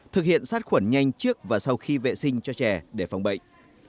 thực hiện sát khuẩn nhanh trước và sau khi vệ sinh cho trẻ để phòng bệnh